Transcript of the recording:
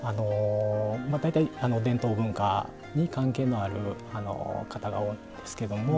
大体伝統文化に関係のある方が多いんですけども。